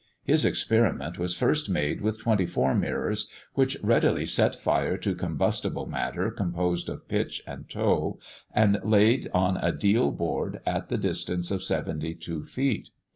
His experiment was first made with twenty four mirrors, which readily set fire to combustible matter composed of pitch and tow, and laid on a deal board at the distance of seventy two feet.